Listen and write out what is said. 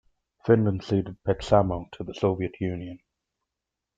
Finland ceded Petsamo to the Soviet Union.